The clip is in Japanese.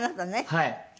はい。